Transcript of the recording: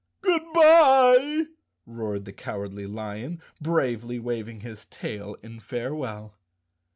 "Good bye!" roared the Cowardly Lion, bravely waving his tail in farewell.